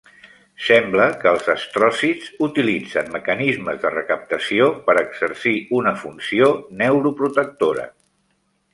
Sembla que els astròcits utilitzen mecanismes de recaptació per exercir una funció neuroprotectora.